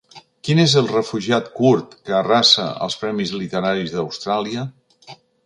Qui és el refugiat kurd que arrasa als premis literaris d’Austràlia?